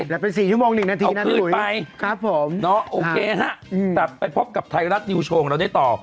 แต่เป็น๔ชั่วโมง๑นาทีนะหลุยเอาคืนไปโอเคฮะแต่ไปพบกับไทยรัฐนิวโชว์เราได้ต่อ